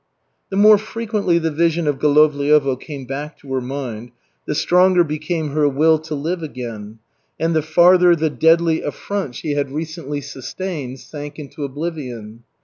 The more frequently the vision of Golovliovo came back to her mind, the stronger became her will to live again, and the farther the deadly affronts she had recently sustained sank into oblivion.